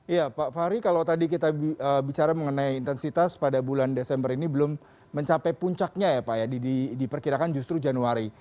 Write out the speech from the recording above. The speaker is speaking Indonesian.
iya pak fahri kalau tadi kita bicara mengenai intensitas pada bulan desember ini belum mencapai puncaknya ya pak ya diperkirakan justru januari